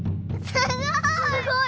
すごい！